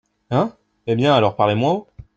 Hein !… eh ! bien, alors, parlez moins haut !